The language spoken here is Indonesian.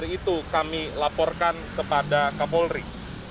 itu kami laporkan kepada kapolri